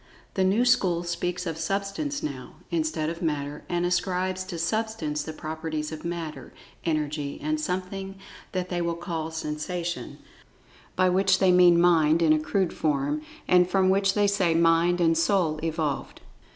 The new school speaks of Substance now, instead of Matter, and ascribes to "Substance" the properties of Matter, En[Pg 24]ergy, and something that they call Sensation, by which they mean Mind in a crude form, and from which they say Mind and "Soul" evolved.